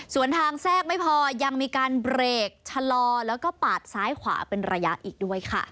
ส่วนทางแทรกไม่พอยังมีการเบรกชะลอแล้วก็ปาดซ้ายขวาเป็นระยะอีกด้วยค่ะ